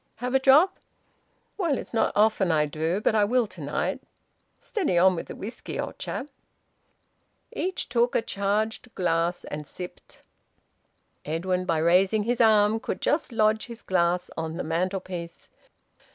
"Have a drop?" "Well, it's not often I do, but I will to night. Steady on with the whisky, old chap." Each took a charged glass and sipped. Edwin, by raising his arm, could just lodge his glass on the mantelpiece.